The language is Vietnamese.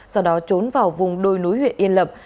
sau đó trốn vào vùng đôi núi huyện yên lập